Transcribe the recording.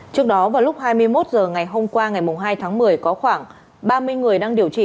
trước đó vào lúc hai mươi một h ngày hôm qua ngày hai tháng một mươi có khoảng ba mươi người đang điều trị